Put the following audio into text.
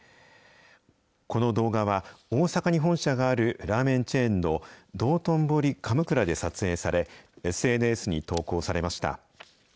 この動画は、大阪に本社があるラーメンチェーンのどうとんぼり神座で撮影され、ＳＮＳに投稿されました。